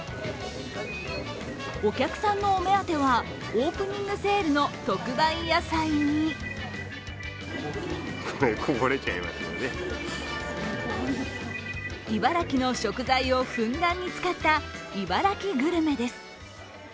お客さんのお目当ては、オープニングセールの特売野菜に茨城の食材をふんだんに使った茨城グルメです。